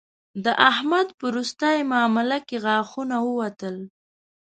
د احمد په روستۍ مامله کې غاښونه ووتل